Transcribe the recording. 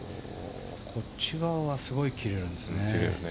こっち側はすごい切れるんですね。